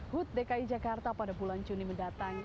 hut dki jakarta pada bulan juni mendatang